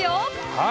はい！